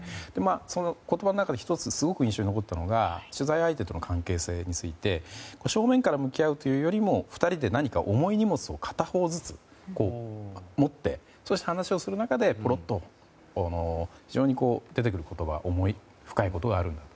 その言葉の中で１つすごく印象に残ったのが取材相手との関係性について正面から向き合うというよりも２人で重い荷物を片方ずつ持って話をする中でポロッと非常に出てくる言葉が重い、深いことがあるんだと。